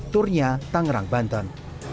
turnya tangerang banten